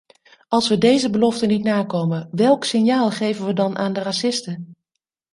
Als we deze belofte niet nakomen, welk signaal geven we dan aan de racisten?